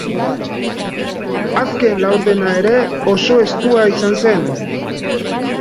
Azken laurdena ere oso estua izan zen.